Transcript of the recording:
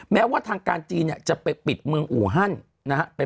แม้ว่าทางการจีนจะไปปิดเมืองอู่ฮั่นนะครับ